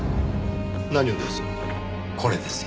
何をです？